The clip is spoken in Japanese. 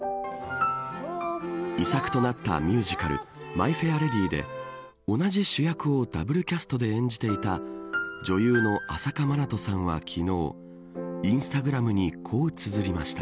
遺作となったミュージカルマイ・フェア・レディで同じ主役をダブルキャストで演じていた女優の朝夏まなとさんは昨日インスタグラムにこう、つづりました。